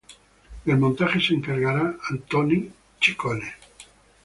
Del montaje se encargará Toni Ciccone.